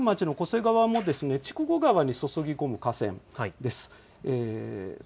この田主丸町の小瀬川も、筑後川に注ぎ込む河川です。